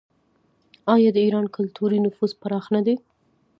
آیا د ایران کلتوري نفوذ پراخ نه دی؟